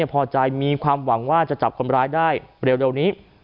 พอใจมีความหวังว่าจะจับคนร้ายได้เร็วนี้